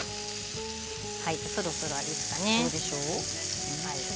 そろそろですかね。